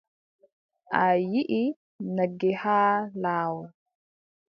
A yiʼi nagge haa laawol.